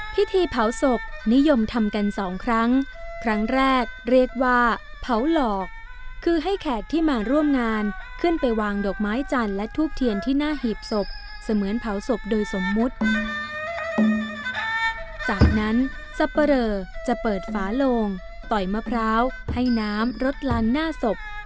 พิธีเผาศพนิยมทำกันสองครั้งครั้งแรกเรียกว่าเผาหลอกคือให้แขกที่มาร่วมงานขึ้นไปวางดอกไม้จันทร์และทูบเทียนที่หน้าหีบศพเสมือนเผาศพโดยสมมุติจากนั้นสับปะเรอจะเปิดฝาโลงต่อยมะพร้าวให้น้ำรดลานหน้าศพ